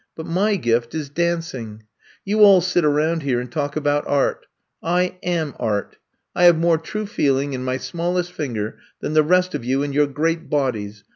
But my gift is dancing. You all sit around here and talk about art. I a7n art. I have more true feeling in my smallest finger than the rest of you in your great bodies.